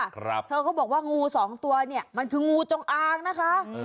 ครับเธอก็บอกว่างูสองตัวเนี้ยมันคืองูจงอางนะคะอืม